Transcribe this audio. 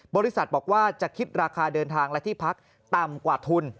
บริษัทบอกว่าจะคิดราคาเดินทางและที่พักต่ำกว่าทุน